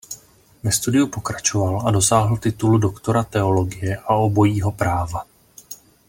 Ve studiu pokračoval a dosáhl titulu doktora teologie a obojího práva.